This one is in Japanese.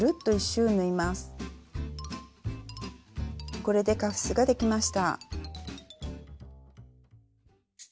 これでカフスができました。